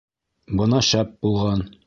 Бына шәп булған.